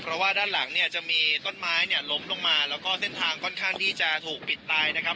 เพราะว่าด้านหลังเนี่ยจะมีต้นไม้เนี่ยล้มลงมาแล้วก็เส้นทางค่อนข้างที่จะถูกปิดตายนะครับ